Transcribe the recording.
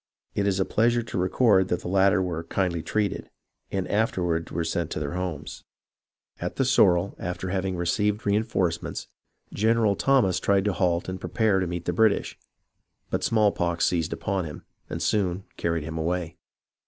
It is a pleasure to record that the latter were kindly treated, and afterward were sent to their homes. At the Sorel, after having received reenforcements. Gen eral Thomas tried to halt and prepare to meet the British; but smallpox seized upon him, and soon carried him away.